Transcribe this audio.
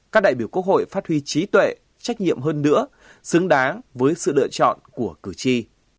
các đại biểu quốc hội phát huy trí tuệ trách nhiệm hơn nữa xứng đáng với sự lựa chọn của cử tri